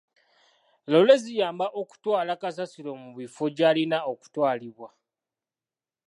Loore ziyamba okutwala kasasiro mu bifo gy'alina okutwalibwa.